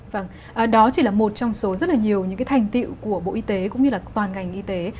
vâng đó chỉ là một trong số rất là nhiều những cái thành tiệu của bộ y tế cũng như là toàn ngành y tế